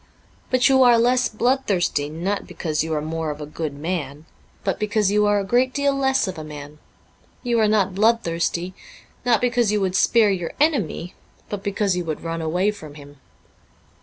But you are less bloodthirsty, not because you are more of a good man, but because you are a great deal less of a man. You are not bloodthirsty, not because you would spare your enemy, but because you would run away from him.'